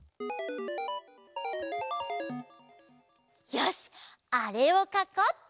よしあれをかこうっと！